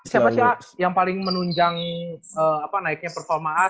siapa sih a a yang paling menunjang naiknya performa a a